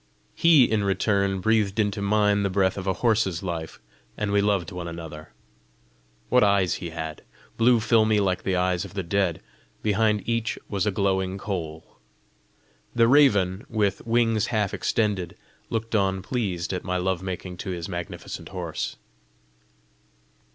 He in return breathed into mine the breath of a horse's life, and we loved one another. What eyes he had! Blue filmy like the eyes of the dead, behind each was a glowing coal! The raven, with wings half extended, looked on pleased at my love making to his magnificent horse.